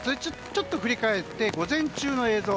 ちょっと振り返って午前中の映像。